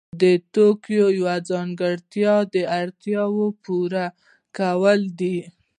د توکو یوه ځانګړتیا د اړتیاوو پوره کول دي.